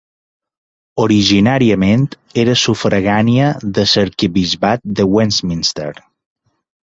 Originàriament era sufragània de l'arquebisbat de Westminster.